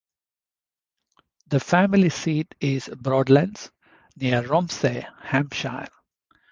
The family seat is Broadlands, near Romsey, Hampshire.